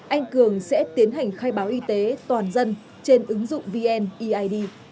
anh cường sẽ tiến hành khai báo y tế toàn dân trên ứng dụng vneid